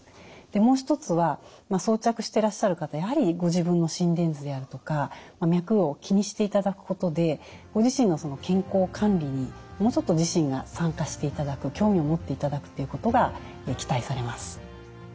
もう一つは装着してらっしゃる方やはりご自分の心電図であるとか脈を気にしていただくことでご自身の健康管理にもうちょっと自身が参加していただく興味を持っていただくということが期待されます。